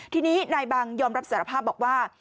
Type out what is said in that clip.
ทีนี้นายบังยอมรับสารภาพบอกว่า